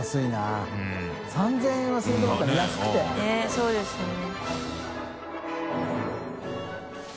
そうですね。